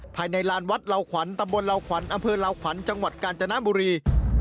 ภายในลานวัดลางควรตำบลลางควรอำเภอลางควรจังหวัดกาญจนามุรี